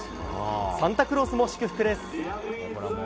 サンタクロースも祝福です。